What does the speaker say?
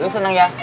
lo seneng ya